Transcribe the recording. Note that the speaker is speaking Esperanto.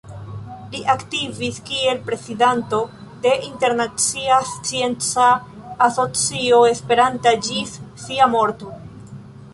Li aktivis kiel prezidanto de Internacia Scienca Asocio Esperanta ĝis sia morto.